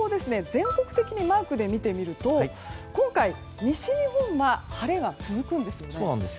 全国的にマークで見てみると今回、西日本は晴れが続くんですね。